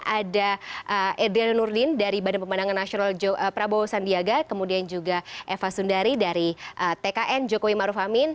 ada edrana nurdin dari badan pemandangan nasional prabowo sandiaga kemudian juga eva sundari dari tkn jokowi marufamin